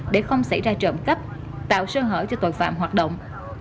để không xảy ra trộm cắp tạo sơ hở cho tội phạm hoạt động